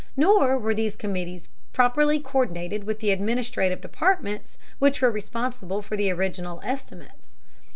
Nor were these committees properly co÷rdinated with the administrative departments which were responsible for the original estimates.